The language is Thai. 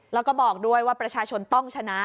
แล้วก็บอกด้วยว่าประชาชนต้องชนะ